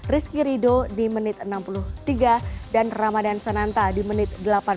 rizky rido di menit enam puluh tiga dan ramadan sananta di menit delapan puluh